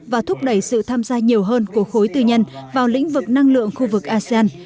và thúc đẩy sự tham gia nhiều hơn của khối tư nhân vào lĩnh vực năng lượng khu vực asean